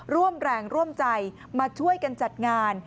ร่วมแรงร่วมใจมาช่วยกันจัดงาน